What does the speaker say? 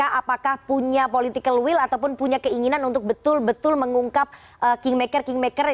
apakah punya political will ataupun punya keinginan untuk betul betul mengungkap think maker think maker